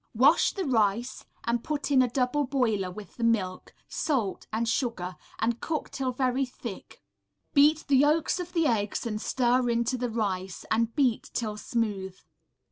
Wash the rice and put in a double boiler with the milk, salt and sugar and cook till very thick; beat the yolks of the eggs and stir into the rice, and beat till smooth.